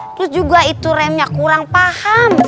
terus juga itu remnya kurang paham